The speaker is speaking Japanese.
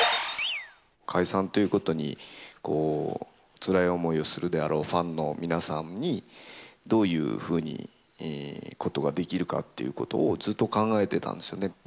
解散ということに、つらい思いをするであろうファンの皆さんにどういうふうにことができるかということを、ずっと考えてたんですよね。